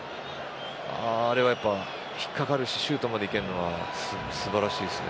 あれは引っかかるしシュートまで行けるのはすばらしいですね。